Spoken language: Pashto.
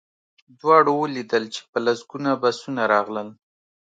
دواړو ولیدل چې په لسګونه بسونه راغلل